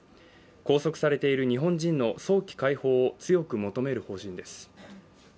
拘束されている日本人の早期解放を強く求める方針です。